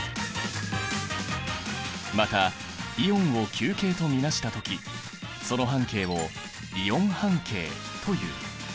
またイオンを球形と見なした時その半径をイオン半径という。